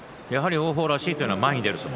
王鵬らしいというのは前に出る相撲。